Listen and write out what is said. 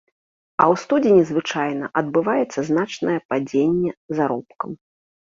А ў студзені звычайна адбываецца значнае падзенне заробкаў.